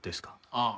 ああ。